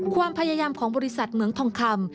ความพยายามของบริษัทเหมืองทองคำ